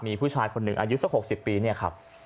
มีผู้ชายคนหนึ่งอายุสัก๖๐ปีเนี่ยครับ